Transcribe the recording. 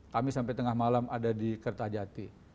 kami sampai tengah malam ada di kertajati